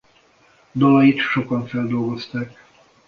Dalait sokan feldolgozták.